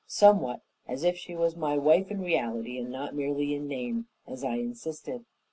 Somewhat as if she was my wife in reality and not merely in name, as I insisted.